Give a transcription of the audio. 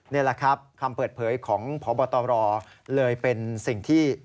นี่แหละครับคำเปิดเผยของพบตรเลยเป็นสิ่งที่